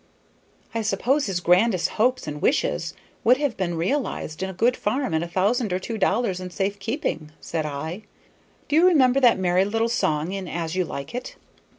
"I suppose his grandest hopes and wishes would have been realized in a good farm and a thousand or two dollars in safe keeping," said I. "Do you remember that merry little song in 'As You Like It'?